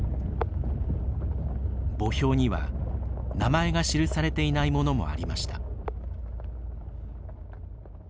墓標には名前が記されていないものもありました。